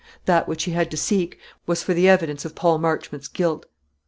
That which he had to seek for was the evidence of Paul Marchmont's guilt.